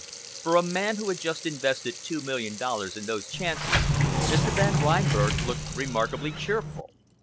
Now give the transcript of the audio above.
For a man who had just invested two million dollars in those chances, Mr. Van Reinberg looked remarkably cheerful.